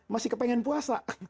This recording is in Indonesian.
masih kepengen puasa